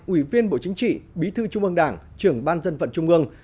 ủy viên bộ chính trị bí thư trung ương đảng trưởng ban dân vận trung ương